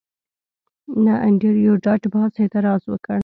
نه انډریو ډاټ باس اعتراض وکړ